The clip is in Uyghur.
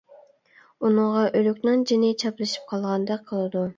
ئۇنىڭغا ئۆلۈكنىڭ جىنى چاپلىشىپ قالغاندەك قىلىدۇ.